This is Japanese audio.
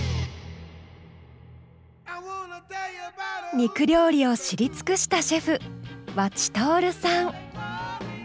肉料理を知り尽くしたシェフ和知徹さん。